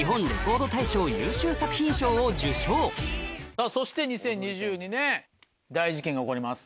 そしてそして２０２２年大事件が起こります。